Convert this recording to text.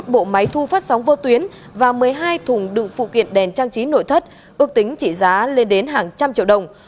một bộ máy thu phát sóng vô tuyến và một mươi hai thùng đựng phụ kiện đèn trang trí nội thất ước tính trị giá lên đến hàng trăm triệu đồng